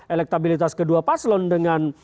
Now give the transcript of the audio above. elektabilitas kedua paslon dengan